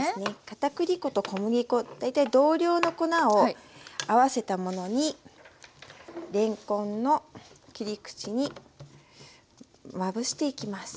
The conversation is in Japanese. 片栗粉と小麦粉大体同量の粉を合わせたものにれんこんの切り口にまぶしていきます。